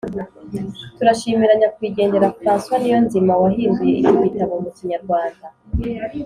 Turashimira nyakwigendera Francois Niyonzima wahinduye iki gitabo mu Kinyarwanda,